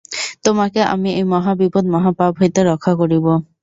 তোমাকে আমি এই মহাবিপদ মহাপাপ হইতে রক্ষা করিব।